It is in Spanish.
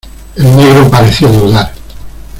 el negro pareció dudar.